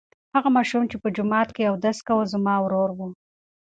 هغه ماشوم چې په جومات کې اودس کاوه زما ورور و.